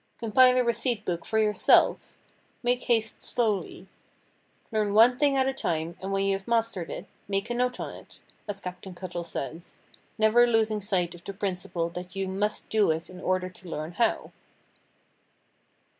Compile a receipt book for yourself. Make haste slowly. Learn one thing at a time, and when you have mastered it, 'make a note on it,' as Captain Cuttle says—never losing sight of the principle that you must do it in order to learn how."